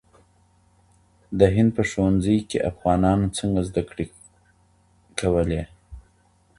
د هند په ښوونځیو کي افغانانو څنګه زده کړي کولې؟